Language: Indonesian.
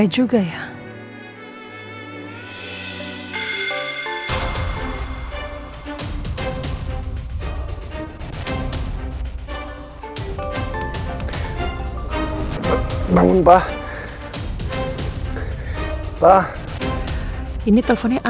tidak ada obatnya pun